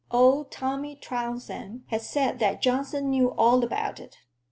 Old Tommy Trounsem had said that Johnson knew all about it.